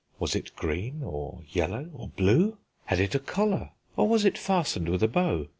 Was it green, or yellow, or blue? Had it a collar, or was it fastened with a bow?